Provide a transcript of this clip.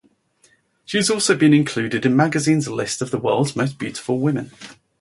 She has also been included in magazines' lists of the world's most beautiful women.